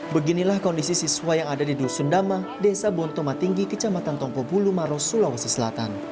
beginilah kondisi siswa yang ada di dusun dama desa bontoma tinggi kecamatan tongpopulu maros sulawesi selatan